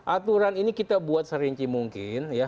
aturan ini kita buat serinci mungkin